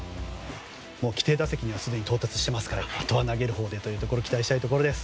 規定打席にはすでに到達していますからあとは投げるほうで期待したいです。